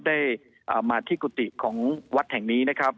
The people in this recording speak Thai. ได้มาที่กุฏิของวัดแห่งนี้นะครับ